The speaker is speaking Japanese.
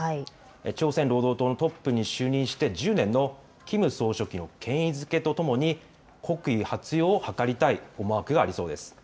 朝鮮労働党のトップに就任して１０年のキム総書記の権威づけとともに国威発揚を図りたい思惑がありそうです。